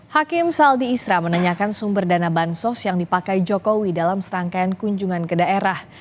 hakim saldi isra menanyakan sumber dana bansos yang dipakai jokowi dalam serangkaian kunjungan ke daerah